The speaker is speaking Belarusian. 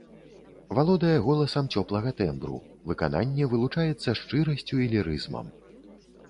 Валодае голасам цёплага тэмбру, выкананне вылучаецца шчырасцю і лірызмам.